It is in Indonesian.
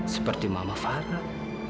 seperti mama farah